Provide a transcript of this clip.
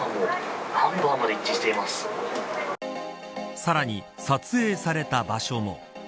さらに撮影された場所も。